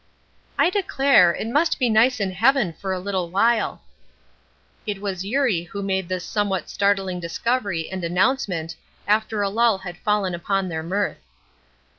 "I declare, it must be nice in heaven for a little while." It was Eurie who made this somewhat startling discovery and announcement after a lull had fallen upon their mirth.